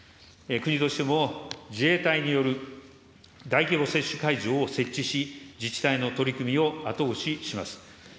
国としても、自衛隊による大規模接種会場を設置し、自治体の取り組みを後押しします。